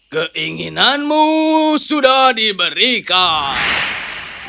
keinginanmu sudah diberikan